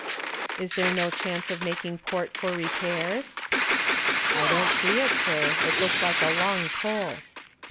"Is there no chance of making a port for repairs?" "I don't see it, sir. It looks like a long pull."